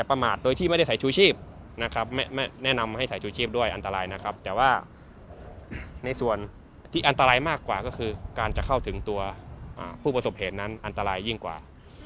เว้นเข้าถึงตัวผู้ประสบเหตุนั้นอันตรายยิ่งกว่าถึงเมื่อเราไปถึงเนี้ยเราทำยังไงบ้างถึงจะเซฟตัวเราแล้วก็สามารถช่วย